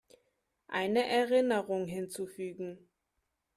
Eine Erinnerung hinzufügen.